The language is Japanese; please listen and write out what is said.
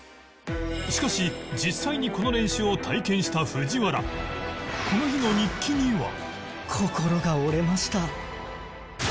しかし実際にこの練習を体験した藤原この日の日記には